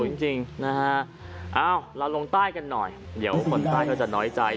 จริงนะฮะเอ้าเราลงใต้กันหน่อยเดี๋ยวคนใต้ก็จะน้อยใจ